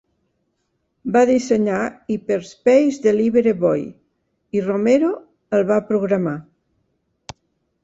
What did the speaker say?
Va dissenyar "Hyperspace Delivery Boy!", i Romero el va programar.